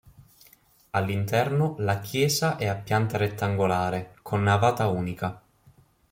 All'interno, la chiesa è a pianta rettangolare, con navata unica.